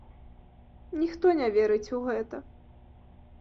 Ніхто не верыць у гэта.